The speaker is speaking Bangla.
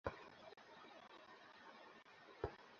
এটাই তো আমাদের মধ্যে মিল আছে, নার্স রেচেড।